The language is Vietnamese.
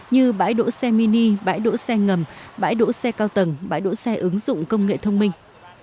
như bãi đỗ xe mini bãi đỗ xe ngầm bãi đỗ xe cao tầng bãi đỗ xe ứng dụng công nghệ thông minh